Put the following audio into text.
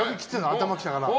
頭にきたから。